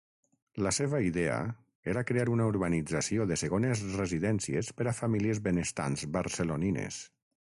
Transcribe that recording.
La seva idea era crear una urbanització de segones residències per a famílies benestants barcelonines.